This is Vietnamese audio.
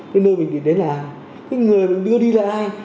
nơi mình định đến là người mình đưa đi là ai